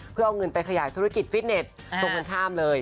เพื่อเอาเงินไปขยายธุรกิจฟิตเน็ตตรงกันข้ามเลย